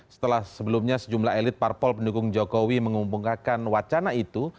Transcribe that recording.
setelah sebelumnya sejumlah elit parpol pendukung jokowi mengumpulkan wacana itu